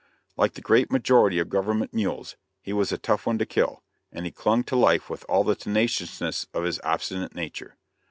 Like the great majority of government mules, he was a tough one to kill, and he clung to life with all the tenaciousness of his obstinate nature.